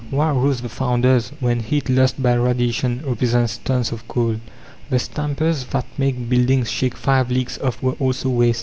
Why roast the founders, when heat lost by radiation represents tons of coal? "The stampers that made buildings shake five leagues off were also waste.